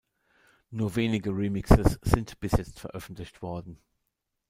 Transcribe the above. Nur wenige Remixes sind bis jetzt veröffentlicht worden.